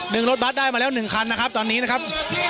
ดึงรถบัตรได้มาแล้วหนึ่งคันนะครับตอนนี้นะครับ